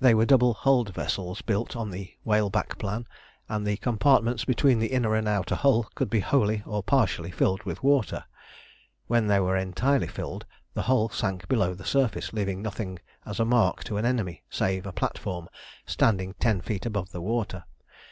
They were double hulled vessels built on the whale back plan, and the compartments between the inner and outer hull could be wholly or partially filled with water. When they were entirely filled the hull sank below the surface, leaving nothing as a mark to an enemy save a platform standing ten feet above the water.